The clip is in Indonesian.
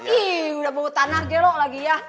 ih udah bawa tanah gelok lagi ya